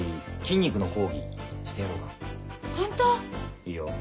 いいよ。